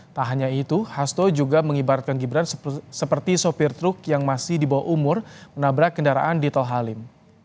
tak hanya itu hasto juga mengibaratkan gibran seperti sopir truk yang masih di bawah umur menabrak kendaraan di tol halim